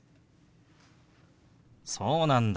そうなんだ。